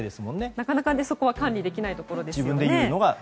なかなかそこは管理できないところですね。